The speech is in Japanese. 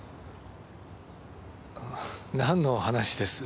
なんの話です？